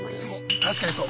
確かにそう。